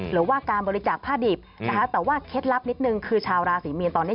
หรือว่าการบริจาคผ้าดิบนะคะแต่ว่าเคล็ดลับนิดนึงคือชาวราศีมีนตอนนี้